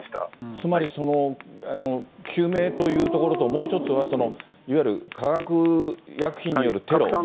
つまり救命というところともう一つは、いわゆる化学薬品によるテロ。